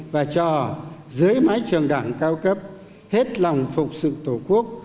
và cho dưới mái trường đảng cao cấp hết lòng phục sự tổ quốc